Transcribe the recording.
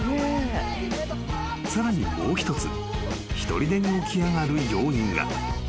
［さらにもう一つひとりでに起き上がる要因が］